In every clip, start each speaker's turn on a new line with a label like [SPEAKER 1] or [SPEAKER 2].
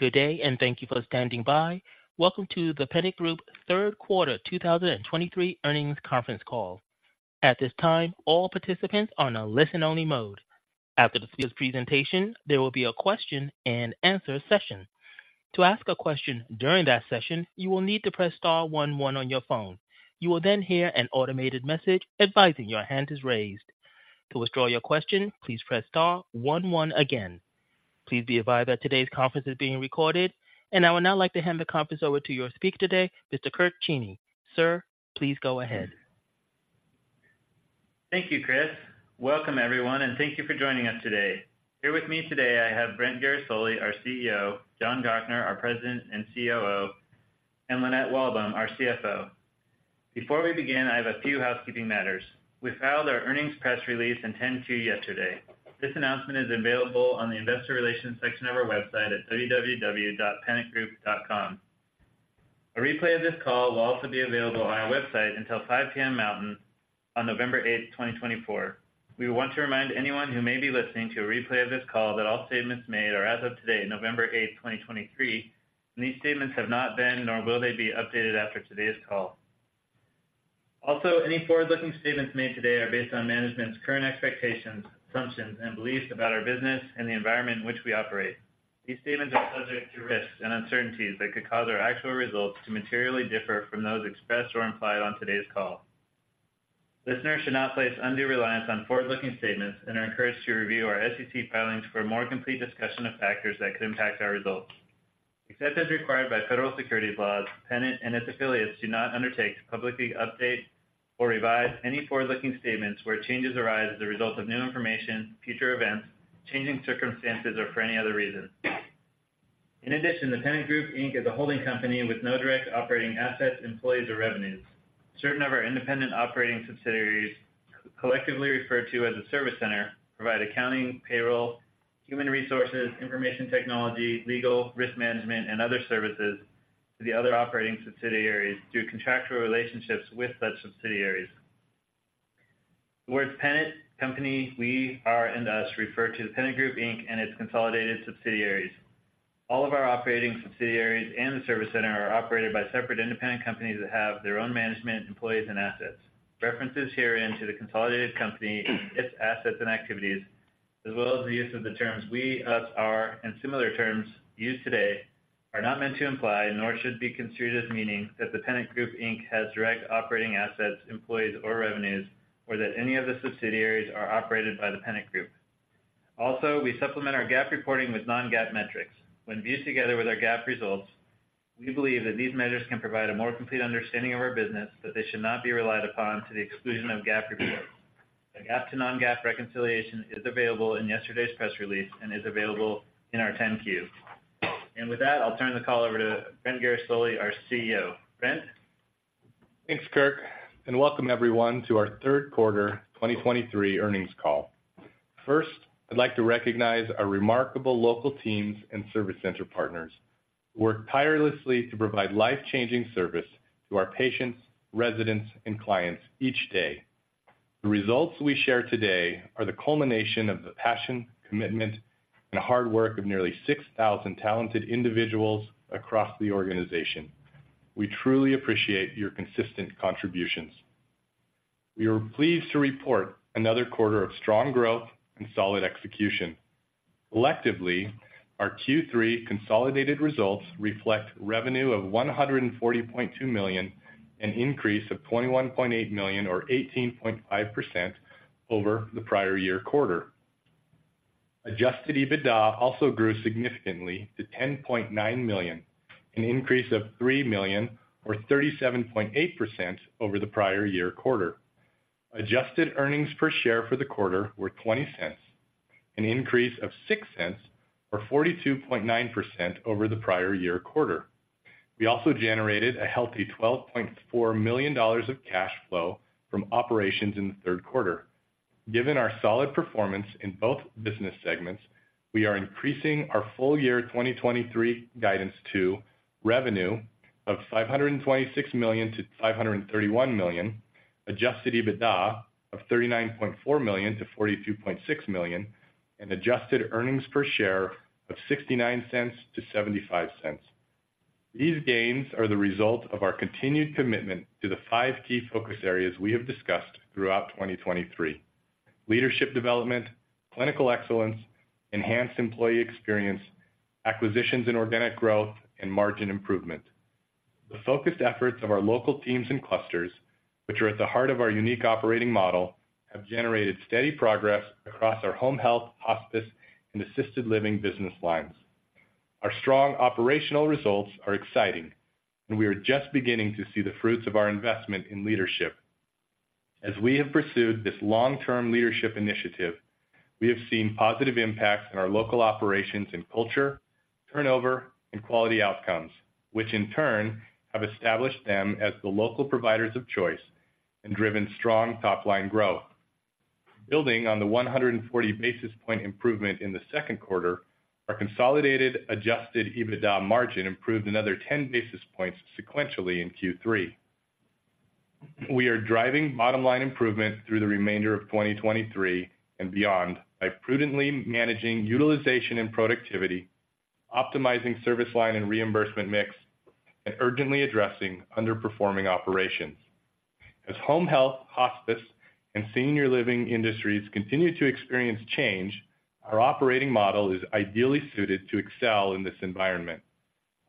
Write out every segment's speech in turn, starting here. [SPEAKER 1] Good day, and thank you for standing by. Welcome to The Pennant Group third quarter 2023 earnings conference call. At this time, all participants are on a listen-only mode. After the speaker's presentation, there will be a question and answer session. To ask a question during that session, you will need to press star one one on your phone. You will then hear an automated message advising your hand is raised. To withdraw your question, please press star one one again. Please be advised that today's conference is being recorded, and I would now like to hand the conference over to your speaker today, Mr. Kirk Cheney. Sir, please go ahead.
[SPEAKER 2] Thank you, Chris. Welcome, everyone, and thank you for joining us today. Here with me today, I have Brent Guerisoli, our CEO, John Gochnour, our President and COO, and Lynette Walbom, our CFO. Before we begin, I have a few housekeeping matters. We filed our earnings press release and 10-Q yesterday. This announcement is available on the investor relations section of our website at www.pennantgroup.com. A replay of this call will also be available on our website until 5:00 P.M. Mountain on November 8, 2024. We want to remind anyone who may be listening to a replay of this call that all statements made are as of today, November 8, 2023, and these statements have not been, nor will they be updated after today's call. Also, any forward-looking statements made today are based on management's current expectations, assumptions, and beliefs about our business and the environment in which we operate. These statements are subject to risks and uncertainties that could cause our actual results to materially differ from those expressed or implied on today's call. Listeners should not place undue reliance on forward-looking statements and are encouraged to review our SEC filings for a more complete discussion of factors that could impact our results. Except as required by federal securities laws, The Pennant Group and its affiliates do not undertake to publicly update or revise any forward-looking statements where changes arise as a result of new information, future events, changing circumstances, or for any other reason. In addition, The Pennant Group, Inc. is a holding company with no direct operating assets, employees, or revenues. Certain of our independent operating subsidiaries, collectively referred to as a service center, provide accounting, payroll, human resources, information technology, legal, risk management, and other services to the other operating subsidiaries through contractual relationships with such subsidiaries. The words Pennant, company, we, our, and us refer to The Pennant Group, Inc. and its consolidated subsidiaries. All of our operating subsidiaries and the service center are operated by separate independent companies that have their own management, employees, and assets. References herein to the consolidated company, its assets and activities, as well as the use of the terms we, us, our, and similar terms used today are not meant to imply, nor should be considered as meaning, that The Pennant Group, Inc. has direct operating assets, employees, or revenues, or that any of the subsidiaries are operated by The Pennant Group. Also, we supplement our GAAP reporting with non-GAAP metrics. When viewed together with our GAAP results, we believe that these measures can provide a more complete understanding of our business, but they should not be relied upon to the exclusion of GAAP reports. The GAAP to non-GAAP reconciliation is available in yesterday's press release and is available in our 10-Q. And with that, I'll turn the call over to Brent Guerisoli, our CEO. Brent?
[SPEAKER 3] Thanks, Kirk, and welcome everyone to our third quarter 2023 earnings call. First, I'd like to recognize our remarkable local teams and service center partners, who work tirelessly to provide life-changing service to our patients, residents, and clients each day. The results we share today are the culmination of the passion, commitment, and hard work of nearly 6,000 talented individuals across the organization. We truly appreciate your consistent contributions. We are pleased to report another quarter of strong growth and solid execution. Actually, our Q3 consolidated results reflect revenue of $140.2 million, an increase of $21.8 million or 18.5% over the prior-year quarter. Adjusted EBITDA also grew significantly to $10.9 million, an increase of $3 million or 37.8% over the prior-year quarter. Adjusted earnings per share for the quarter were $0.20, an increase of $0.06 or 42.9% over the prior-year quarter. We also generated a healthy $12.4 million of cash flow from operations in the third quarter. Given our solid performance in both business segments, we are increasing our full-year 2023 guidance to revenue of $526 million-$531 million, Adjusted EBITDA of $39.4 million-$42.6 million, and adjusted earnings per share of $0.69-$0.75. These gains are the result of our continued commitment to the five key focus areas we have discussed throughout 2023: leadership development, clinical excellence, enhanced employee experience, acquisitions and organic growth, and margin improvement. The focused efforts of our local teams and clusters, which are at the heart of our unique operating model, have generated steady progress across our home health, hospice, and assisted living business lines. Our strong operational results are exciting, and we are just beginning to see the fruits of our investment in leadership. As we have pursued this long-term leadership initiative, we have seen positive impacts in our local operations in culture, turnover, and quality outcomes, which in turn have established them as the local providers of choice and driven strong top-line growth. Building on the 140 basis point improvement in the second quarter, our consolidated Adjusted EBITDA margin improved another 10 basis points sequentially in Q3.... We are driving bottom line improvement through the remainder of 2023 and beyond, by prudently managing utilization and productivity, optimizing service line and reimbursement mix, and urgently addressing underperforming operations. As home health, hospice, and senior living industries continue to experience change, our operating model is ideally suited to excel in this environment.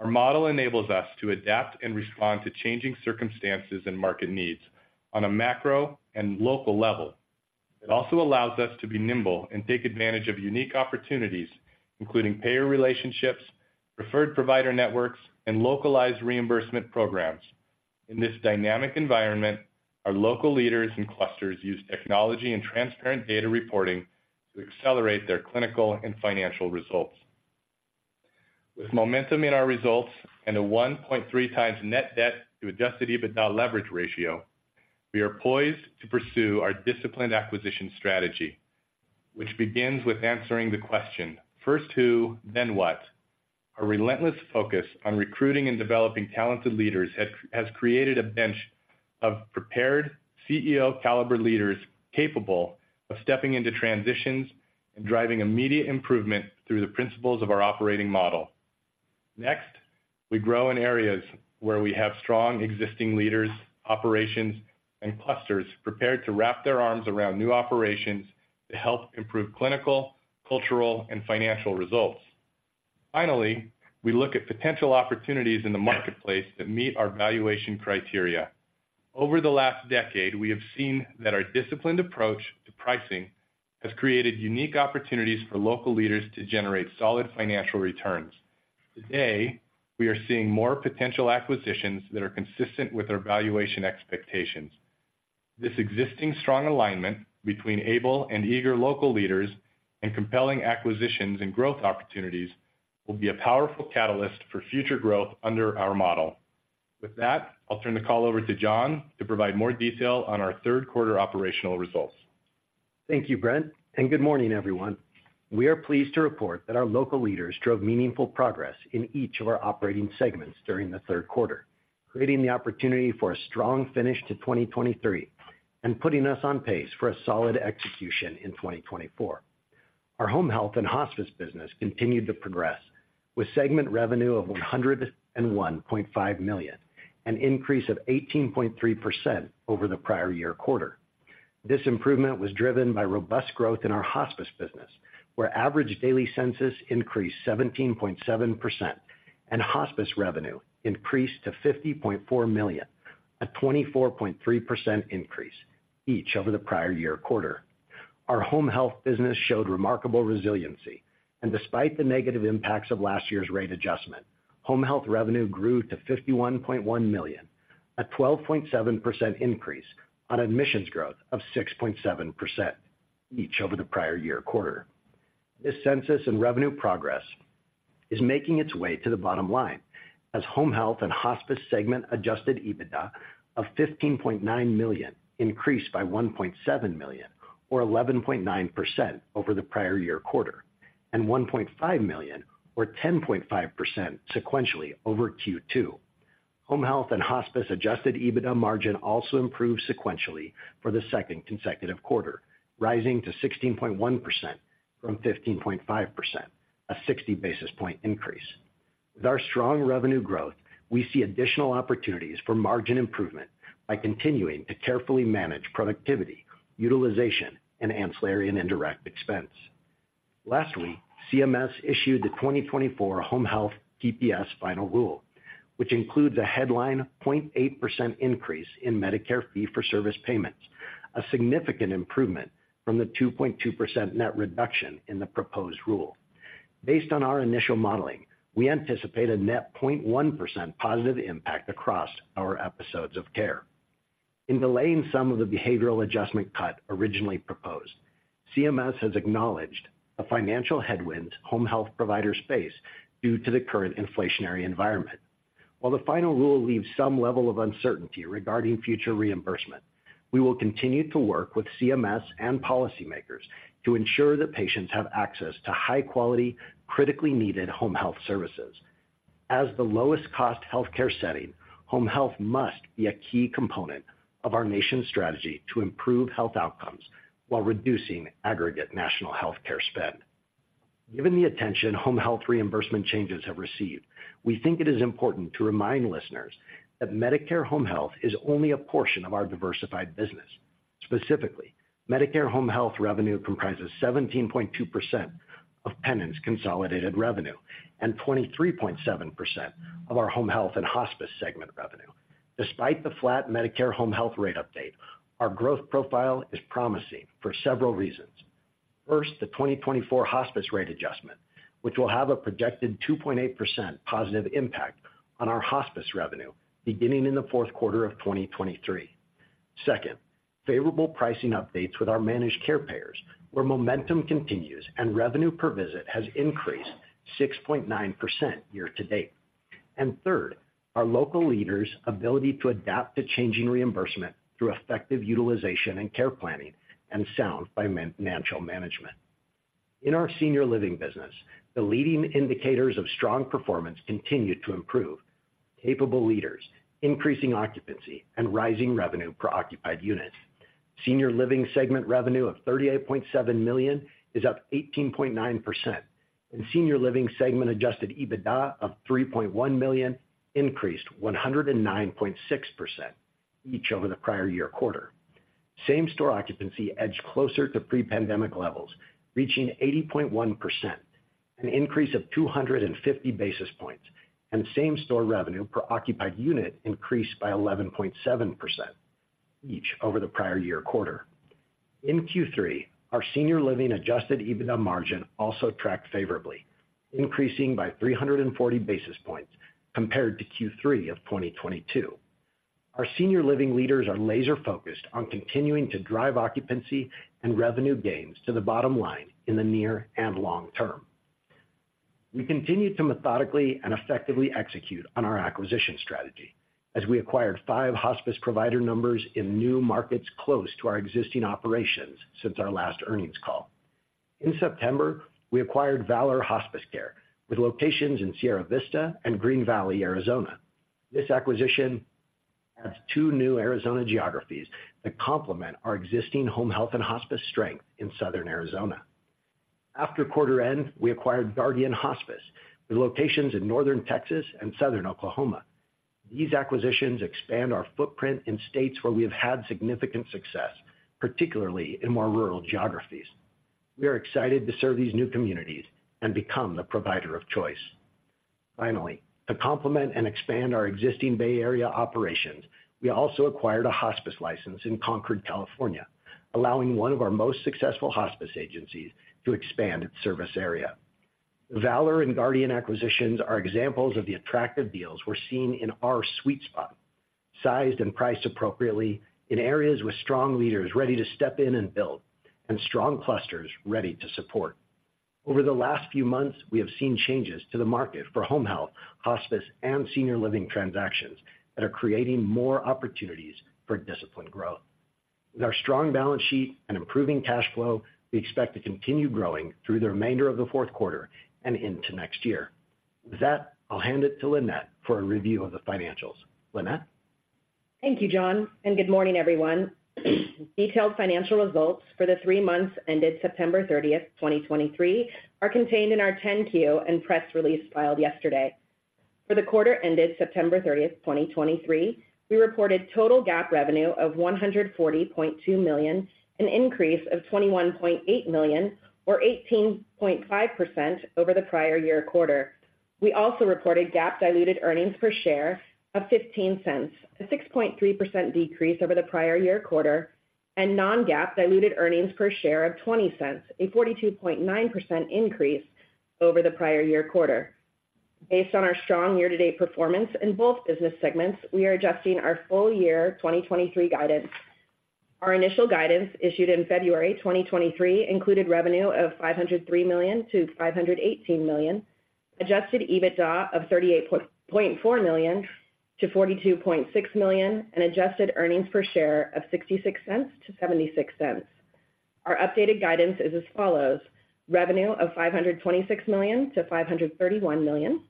[SPEAKER 3] Our model enables us to adapt and respond to changing circumstances and market needs on a macro and local level. It also allows us to be nimble and take advantage of unique opportunities, including payer relationships, preferred provider networks, and localized reimbursement programs. In this dynamic environment, our local leaders and clusters use technology and transparent data reporting to accelerate their clinical and financial results. With momentum in our results and a 1.3x net debt to Adjusted EBITDA leverage ratio, we are poised to pursue our disciplined acquisition strategy, which begins with answering the question: first who, then what? A relentless focus on recruiting and developing talented leaders has created a bench of prepared CEO caliber leaders capable of stepping into transitions and driving immediate improvement through the principles of our operating model. Next, we grow in areas where we have strong existing leaders, operations, and clusters prepared to wrap their arms around new operations to help improve clinical, cultural, and financial results. Finally, we look at potential opportunities in the marketplace that meet our valuation criteria. Over the last decade, we have seen that our disciplined approach to pricing has created unique opportunities for local leaders to generate solid financial returns. Today, we are seeing more potential acquisitions that are consistent with our valuation expectations. This existing strong alignment between able and eager local leaders and compelling acquisitions and growth opportunities will be a powerful catalyst for future growth under our model. With that, I'll turn the call over to John to provide more detail on our third quarter operational results.
[SPEAKER 4] Thank you, Brent, and good morning, everyone. We are pleased to report that our local leaders drove meaningful progress in each of our operating segments during the third quarter, creating the opportunity for a strong finish to 2023 and putting us on pace for a solid execution in 2024. Our home health and hospice business continued to progress, with segment revenue of $101.5 million, an increase of 18.3% over the prior-year quarter. This improvement was driven by robust growth in our hospice business, where average daily census increased 17.7%, and hospice revenue increased to $50.4 million, a 24.3% increase, each over the prior-year quarter. Our home health business showed remarkable resiliency, and despite the negative impacts of last year's rate adjustment, home health revenue grew to $51.1 million, a 12.7% increase on admissions growth of 6.7%, each over the prior-year quarter. This census and revenue progress is making its way to the bottom line, as home health and hospice segment Adjusted EBITDA of $15.9 million increased by $1.7 million, or 11.9% over the prior-year quarter, and $1.5 million, or 10.5% sequentially over Q2. Home health and hospice Adjusted EBITDA margin also improved sequentially for the second consecutive quarter, rising to 16.1% from 15.5%, a 60 basis point increase. With our strong revenue growth, we see additional opportunities for margin improvement by continuing to carefully manage productivity, utilization, and ancillary and indirect expense. Lastly, CMS issued the 2024 Home Health PPS final rule, which includes a headline 0.8% increase in Medicare fee-for-service payments, a significant improvement from the 2.2% net reduction in the proposed rule. Based on our initial modeling, we anticipate a net 0.1% positive impact across our episodes of care. In delaying some of the behavioral adjustment cut originally proposed, CMS has acknowledged the financial headwinds home health providers face due to the current inflationary environment. While the final rule leaves some level of uncertainty regarding future reimbursement, we will continue to work with CMS and policymakers to ensure that patients have access to high-quality, critically needed home health services. As the lowest cost healthcare setting, home health must be a key component of our nation's strategy to improve health outcomes while reducing aggregate national healthcare spend. Given the attention home health reimbursement changes have received, we think it is important to remind listeners that Medicare home health is only a portion of our diversified business. Specifically, Medicare home health revenue comprises 17.2% of Pennant's consolidated revenue and 23.7% of our home health and hospice segment revenue. Despite the flat Medicare home health rate update, our growth profile is promising for several reasons. First, the 2024 hospice rate adjustment, which will have a projected 2.8% positive impact on our hospice revenue beginning in the fourth quarter of 2023. Second, favorable pricing updates with our Managed Care payers, where momentum continues and revenue per visit has increased 6.9% year-to-date. Third, our local leaders' ability to adapt to changing reimbursement through effective utilization and care planning and sound financial management. In our Senior Living business, the leading indicators of strong performance continued to improve. Capable leaders, increasing occupancy, and rising Revenue Per Occupied Units. Senior Living segment revenue of $38.7 million is up 18.9%, and Senior Living segment Adjusted EBITDA of $3.1 million increased 109.6%, each over the prior-year quarter. Same-Store Occupancy edged closer to pre-pandemic levels, reaching 80.1%, an increase of 250 basis points, and Same-Store Revenue Per Occupied Unit increased by 11.7%, each over the prior-year quarter. In Q3, our senior living Adjusted EBITDA margin also tracked favorably, increasing by 340 basis points compared to Q3 of 2022. Our senior living leaders are laser-focused on continuing to drive occupancy and revenue gains to the bottom line in the near and long term. We continued to methodically and effectively execute on our acquisition strategy, as we acquired five hospice provider numbers in new markets close to our existing operations since our last earnings call. In September, we acquired Valor Hospice Care, with locations in Sierra Vista and Green Valley, Arizona. This acquisition adds two new Arizona geographies that complement our existing home health and hospice strength in Southern Arizona. After quarter end, we acquired Guardian Hospice, with locations in Northern Texas and Southern Oklahoma. These acquisitions expand our footprint in states where we have had significant success, particularly in more rural geographies. We are excited to serve these new communities and become the provider of choice. Finally, to complement and expand our existing Bay Area operations, we also acquired a hospice license in Concord, California, allowing one of our most successful hospice agencies to expand its service area. Valor and Guardian acquisitions are examples of the attractive deals we're seeing in our sweet spot, sized and priced appropriately in areas with strong leaders ready to step in and build, and strong clusters ready to support. Over the last few months, we have seen changes to the market for home health, hospice, and senior living transactions that are creating more opportunities for disciplined growth. With our strong balance sheet and improving cash flow, we expect to continue growing through the remainder of the fourth quarter and into next year. With that, I'll hand it to Lynette for a review of the financials. Lynette?
[SPEAKER 5] Thank you, John, and good morning, everyone. Detailed financial results for the three months ended September 30, 2023, are contained in our 10-Q and press release filed yesterday. For the quarter ended September 30, 2023, we reported total GAAP revenue of $140.2 million, an increase of $21.8 million, or 18.5% over the prior-year quarter. We also reported GAAP diluted earnings per share of $0.15, a 6.3% decrease over the prior-year quarter, and non-GAAP diluted earnings per share of $0.20, a 42.9% increase over the prior-year quarter. Based on our strong year-to-date performance in both business segments, we are adjusting our full-year 2023 guidance. Our initial guidance, issued in February 2023, included revenue of $503 million-$518 million, adjusted EBITDA of $38.4 million-$42.6 million, and adjusted earnings per share of $0.66-$0.76. Our updated guidance is as follows: revenue of $526 million-$531 million,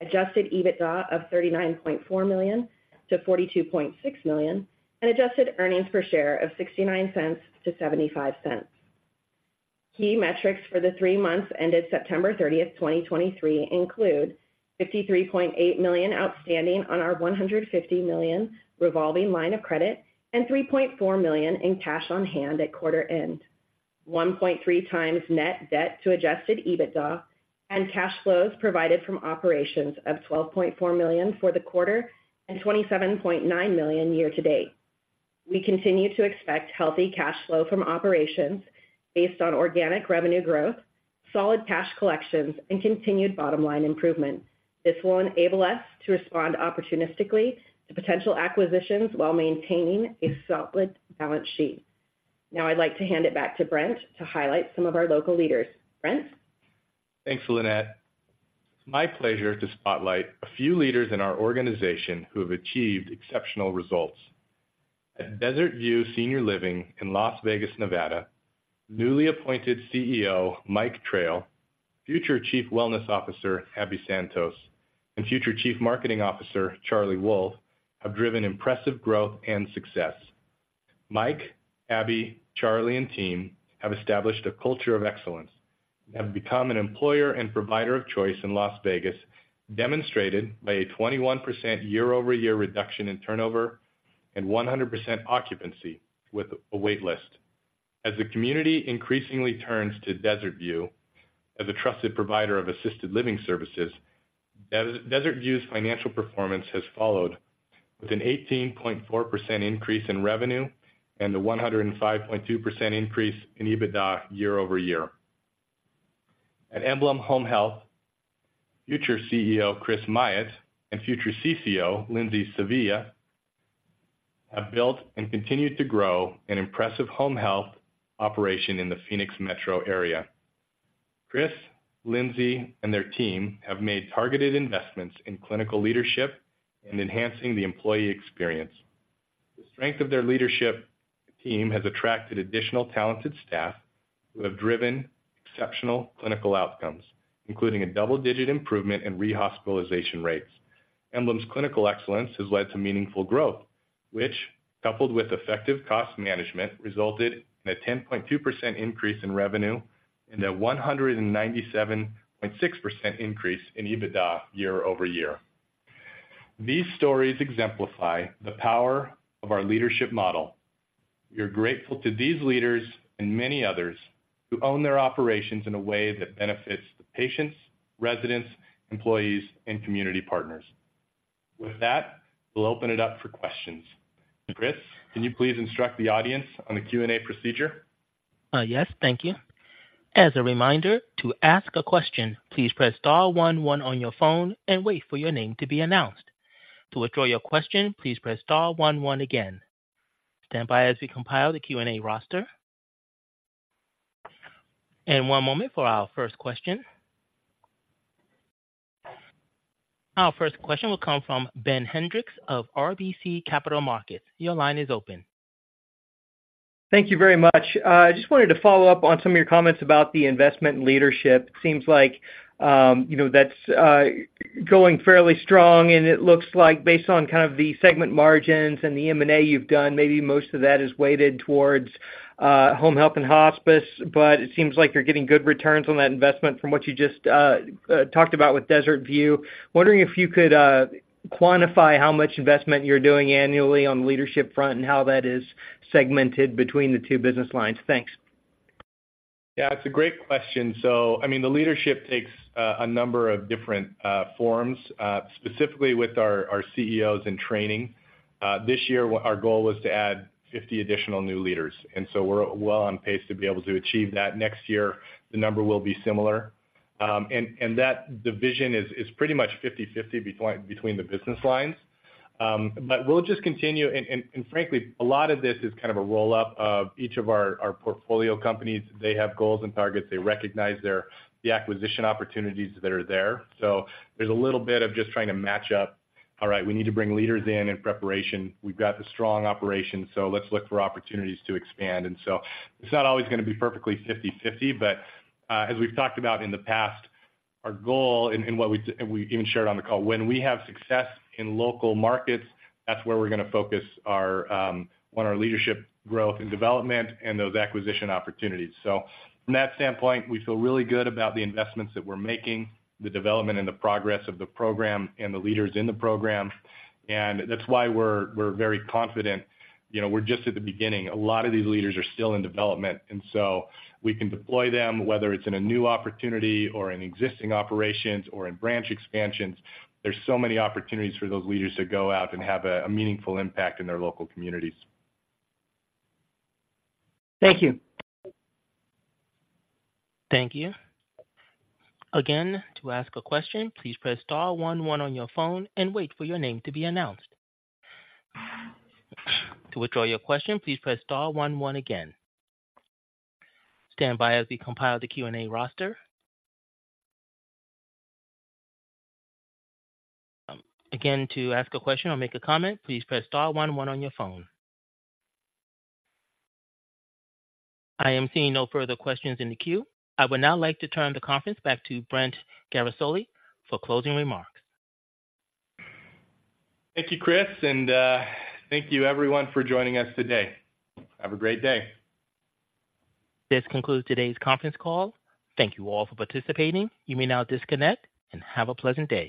[SPEAKER 5] adjusted EBITDA of $39.4 million-$42.6 million, and adjusted earnings per share of $0.69-$0.75. Key metrics for the three months ended September 30, 2023, include $53.8 million outstanding on our $150 million revolving line of credit and $3.4 million in cash on hand at quarter end, 1.3x net debt to Adjusted EBITDA, and cash flows provided from operations of $12.4 million for the quarter and $27.9 million year-to-date. We continue to expect healthy cash flow from operations based on organic revenue growth, solid cash collections, and continued bottom-line improvement. This will enable us to respond opportunistically to potential acquisitions while maintaining a solid balance sheet. Now, I'd like to hand it back to Brent to highlight some of our local leaders. Brent?
[SPEAKER 3] Thanks, Lynette. It's my pleasure to spotlight a few leaders in our organization who have achieved exceptional results. At Desert View Senior Living in Las Vegas, Nevada, newly appointed CEO, Mike Trail, Future Chief Wellness Officer, Abby Santos, and Future Chief Marketing Officer, Charlie Wolf, have driven impressive growth and success. Mike, Abby, Charlie, and team have established a culture of excellence and have become an employer and provider of choice in Las Vegas, demonstrated by a 21% year-over-year reduction in turnover and 100% occupancy with a wait list. As the community increasingly turns to Desert View as a trusted provider of assisted living services, Desert View's financial performance has followed with an 18.4% increase in revenue and a 105.2% increase in EBITDA year-over-year. At Emblem Home Health, future CEO, Chris Myatt, and future CCO, Lindsay Sevilla, have built and continued to grow an impressive home health operation in the Phoenix metro area. Chris, Lindsay, and their team have made targeted investments in clinical leadership and enhancing the employee experience. The strength of their leadership team has attracted additional talented staff who have driven exceptional clinical outcomes, including a double-digit improvement in rehospitalization rates. Emblem's clinical excellence has led to meaningful growth, which, coupled with effective cost management, resulted in a 10.2% increase in revenue and a 197.6% increase in EBITDA year-over-year. These stories exemplify the power of our leadership model. We are grateful to these leaders and many others who own their operations in a way that benefits the patients, residents, employees, and community partners. With that, we'll open it up for questions. Chris, can you please instruct the audience on the Q&A procedure?
[SPEAKER 1] Yes, thank you. As a reminder, to ask a question, please press star one one on your phone and wait for your name to be announced. To withdraw your question, please press star one one again. Stand by as we compile the Q&A roster. One moment for our first question. Our first question will come from Ben Hendrix of RBC Capital Markets. Your line is open.
[SPEAKER 6] Thank you very much. I just wanted to follow up on some of your comments about the investment leadership. It seems like, you know, that's going fairly strong, and it looks like based on kind of the segment margins and the M&A you've done, maybe most of that is weighted towards home health and hospice, but it seems like you're getting good returns on that investment from what you just talked about with Desert View. Wondering if you could quantify how much investment you're doing annually on the leadership front and how that is segmented between the two business lines. Thanks.
[SPEAKER 3] Yeah, it's a great question. So, I mean, the leadership takes a number of different forms, specifically with our CEOs in training. This year, our goal was to add 50 additional new leaders, and so we're well on pace to be able to achieve that. Next year, the number will be similar. And that division is pretty much 50/50 between the business lines. But we'll just continue, and frankly, a lot of this is kind of a roll-up of each of our portfolio companies. They have goals and targets. They recognize the acquisition opportunities that are there. So there's a little bit of just trying to match up. All right, we need to bring leaders in preparation. We've got the strong operation, so let's look for opportunities to expand. And so it's not always going to be perfectly 50/50, but as we've talked about in the past, our goal and, and what we, and we even shared on the call, when we have success in local markets, that's where we're going to focus our on our leadership growth and development and those acquisition opportunities. So from that standpoint, we feel really good about the investments that we're making, the development and the progress of the program and the leaders in the program. And that's why we're, we're very confident. You know, we're just at the beginning. A lot of these leaders are still in development, and so we can deploy them, whether it's in a new opportunity or in existing operations or in branch expansions. There's so many opportunities for those leaders to go out and have a meaningful impact in their local communities.
[SPEAKER 6] Thank you.
[SPEAKER 1] Thank you. Again, to ask a question, please press star one one on your phone and wait for your name to be announced. To withdraw your question, please press star one one again. Stand by as we compile the Q&A roster. Again, to ask a question or make a comment, please press star one one on your phone. I am seeing no further questions in the queue. I would now like to turn the conference back to Brent Guerisoli for closing remarks.
[SPEAKER 3] Thank you, Chris, and thank you everyone for joining us today. Have a great day.
[SPEAKER 1] This concludes today's conference call. Thank you all for participating. You may now disconnect and have a pleasant day.